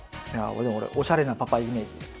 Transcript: でも俺おしゃれなパパイメージですよ。